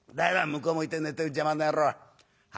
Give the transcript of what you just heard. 向こう向いて寝てる邪魔な野郎は？」。